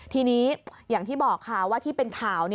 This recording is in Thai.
ทีนี้อย่างที่บอกค่ะว่าที่เป็นข่าว